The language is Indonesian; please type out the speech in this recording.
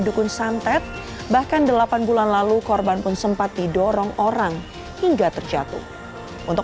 dukun santet bahkan delapan bulan lalu korban pun sempat didorong orang hingga terjatuh untuk